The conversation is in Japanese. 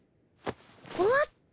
終わった！